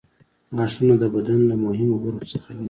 غاښونه د بدن له مهمو برخو څخه دي.